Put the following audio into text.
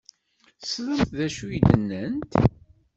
Teslamt d acu i d-nnant?